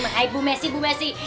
hai bumesi bumesi